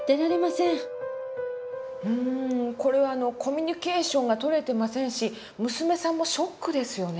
うんこれはコミュニケーションが取れてませんし娘さんもショックですよね。